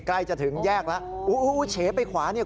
ใกล้จะถึงแยกแล้วโอ้โหเฉไปขวาเนี่ย